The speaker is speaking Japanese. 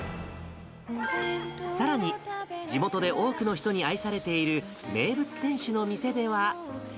さらに、地元で多くの人に愛されている名物店主の店では。